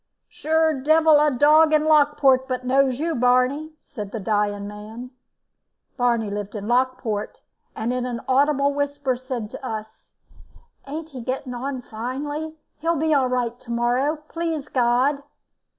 "Sure, divil a dog in Lockport but knows you, Barney," said the dying man. Barney lived in Lockport, and in an audible whisper said to us: "Ain't he getting on finely? He'll be all right again to morrow, please God."